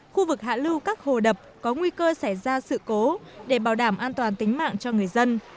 khu vực hạ lưu các hồ đập có nguy cơ xảy ra sự cố để bảo đảm an toàn tính mạng cho người dân